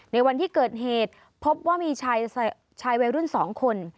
ในวันที่เกิดเหตุพบว่ามีชายวัยรุ่น๒คน